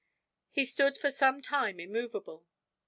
He stood for some time immovable.